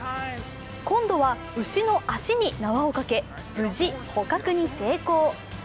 今度は牛の足に縄をかけ、無事、捕獲に成功。